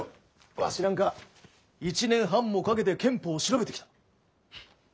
わしなんか１年半もかけて憲法を調べてきた。